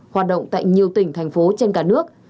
hoạt động tại nhiều tỉnh thành phố trên cả nước